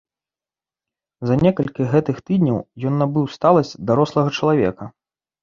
За некалькі гэтых тыдняў ён набыў сталасць дарослага чалавека.